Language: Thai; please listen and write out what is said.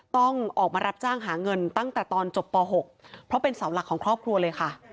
ต้องออกมารับจ้างหาเงินตั้งแต่ตอนจบป๖เพราะเป็นเสาหลักของครอบครัวเลยค่ะ